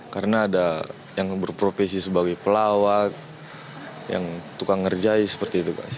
karena ada yang berprofesi sebagai pelawat yang tukang ngerjai seperti itu kak